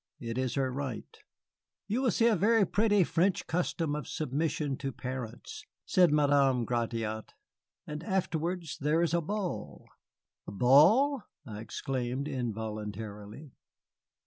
It is her right." "You will see a very pretty French custom of submission to parents," said Madame Gratiot. "And afterwards there is a ball." "A ball!" I exclaimed involuntarily.